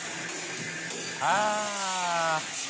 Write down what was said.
ああ。